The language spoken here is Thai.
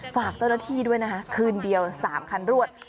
ฝากเจ้าหน้าที่ด้วยนะคะคืนเดียว๓คันรวด